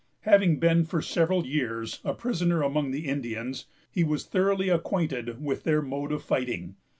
Having been, for several years, a prisoner among the Indians, he was thoroughly acquainted with their mode of fighting.